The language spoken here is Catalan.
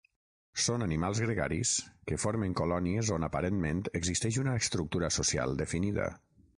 Són animals gregaris que formen colònies on aparentment existeix una estructura social definida.